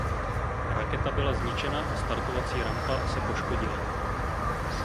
Raketa byla zničena a startovací rampa se poškodila.